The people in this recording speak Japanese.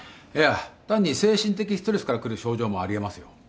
いや単に精神的ストレスから来る症状もありえますよ。